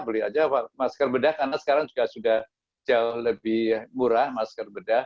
beli aja masker bedah karena sekarang juga sudah jauh lebih murah masker bedah